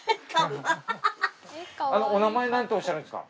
お名前なんておっしゃるんですか？